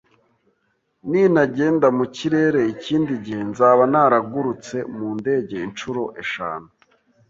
Ninagenda mu kirere ikindi gihe, nzaba naragurutse mu ndege inshuro eshanu.